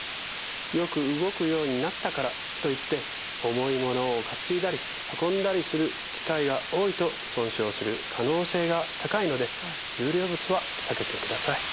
よく動くようになったからといって重い物を担いだり運んだりする機会が多いと損傷する可能性が高いので重量物は避けてください。